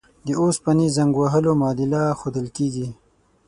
د اوسپنې زنګ وهلو معادله ښودل کیږي.